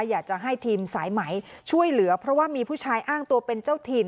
อยากจะให้ทีมสายไหมช่วยเหลือเพราะว่ามีผู้ชายอ้างตัวเป็นเจ้าถิ่น